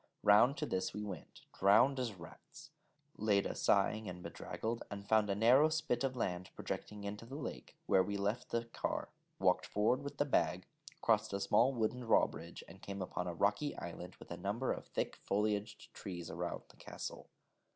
Round to this we went, drowned as rats, Leda sighing and bedraggled, and found a narrow spit of low land projecting into the lake, where we left the car, walked forward with the bag, crossed a small wooden drawbridge, and came upon a rocky island with a number of thick foliaged trees about the castle.